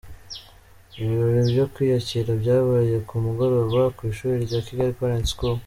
Ibirori byo kwiyakira byabaye ku mugoroba ku ishuri rya Kigali Parents School.